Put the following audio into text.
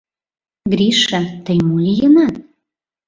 — Гриша, тый мо лийынат?